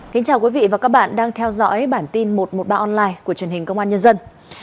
chào mừng quý vị đến với bản tin một trăm một mươi ba online của truyền hình công an nhân dân